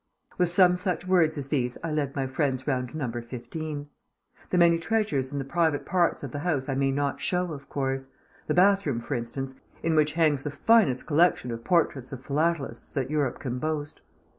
With some such words as these I lead my friends round Number Fifteen. The many treasures in the private parts of the house I may not show, of course; the bathroom, for instance, in which hangs the finest collection of portraits of philatelists that Europe can boast.